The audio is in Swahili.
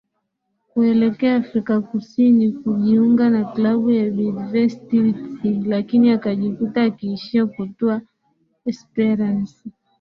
kuelekea Afrika Kusini kujiunga na klabu ya Bidvest Wits lakini akajikuta akiishia kutua Esperance